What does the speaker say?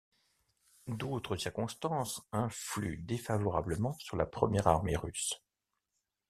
D'autres circonstances influent défavorablement sur la Première Armée russe.